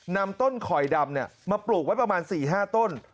นำต้นคอยดำมาปลูกไว้ประมาณ๔๕ต้น